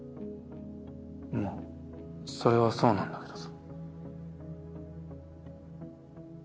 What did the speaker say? まあそれはそうなんだけどさ。